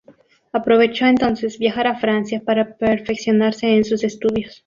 Aprovechó entonces viajar a Francia para perfeccionarse en sus estudios.